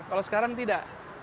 kalau sekarang tidak